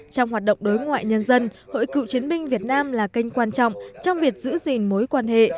trong hoạt động đối ngoại nhân dân hội cựu chiến binh việt nam là kênh quan trọng trong việc giữ gìn mối quan hệ